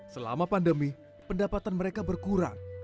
selama pandemi pendapatan mereka berkurang